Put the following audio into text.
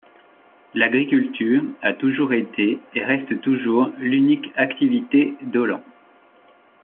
L'agriculture a toujours été et reste toujours l'unique activité d'Ollans.